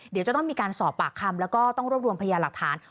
เดี๋ยวจะต้องมีการสอบปากคำแล้วก็ต้องรวบรวมพยานหลักฐาน